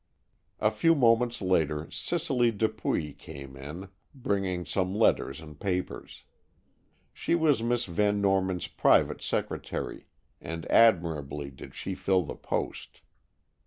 A few moments later Cicely Dupuy came in, bringing some letters and papers. She was Miss Van Norman's private secretary, and admirably did she fill the post.